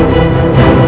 aku mau pergi